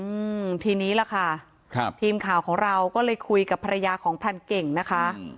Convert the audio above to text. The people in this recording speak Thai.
อืมทีนี้ล่ะค่ะครับทีมข่าวของเราก็เลยคุยกับภรรยาของพรานเก่งนะคะอืม